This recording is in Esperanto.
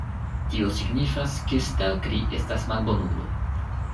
Tio signifas, ke Stelkri estas malbonulo.